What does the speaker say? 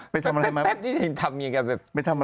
ไปทำอะไรมางานไปทำอะไรมาแม่โดนทำ